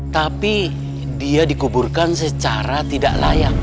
tapi dia dikuburkan secara tidak layak